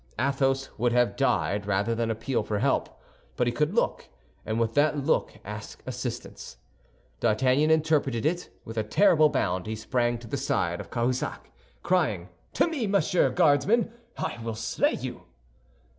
Athos would have died rather than appeal for help; but he could look, and with that look ask assistance. D'Artagnan interpreted it; with a terrible bound he sprang to the side of Cahusac, crying, "To me, Monsieur Guardsman; I will slay you!"